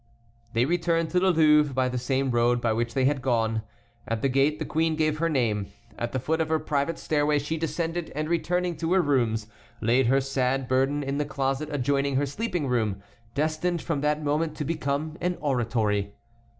They returned to the Louvre by the same road by which they had gone. At the gate the queen gave her name; at the foot of her private stairway she descended and, returning to her rooms, laid her sad burden in the closet adjoining her sleeping room, destined from that moment to become an oratory.